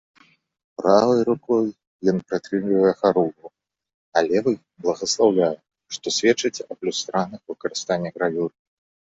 Правай рукой ён прытрымлівае харугву, а левай благаслаўляе, што сведчыць аб люстраным выкарыстанні гравюры.